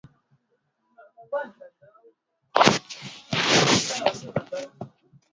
Unaweza Elshaddai Unaweza sana.